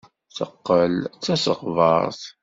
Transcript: Teqqel d tasegbart.